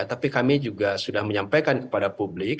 tapi kami juga sudah menyampaikan kepada publik